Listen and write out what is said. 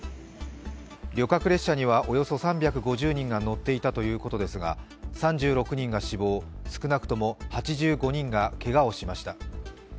旅客列車にはおよそ３５０人が乗っていたということですが３６人が死亡、少なくとも８５人がけがをしました。